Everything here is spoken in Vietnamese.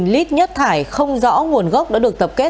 hai mươi hai lit nhất thải không rõ nguồn gốc đã được tập kết